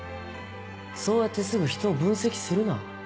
そうやってすぐ人を分析するな。